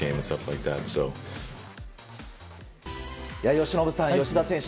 由伸さん吉田選手